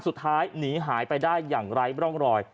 สุดท้ายหนีหายไปได้อย่างไร้ร่องรอย